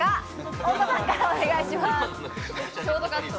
太田さんからお願いします。